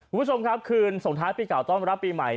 คุณผู้ชมครับคืนส่งท้ายปีเก่าต้อนรับปีใหม่